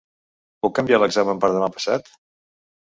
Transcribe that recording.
Puc canviar l'examen per demà passat?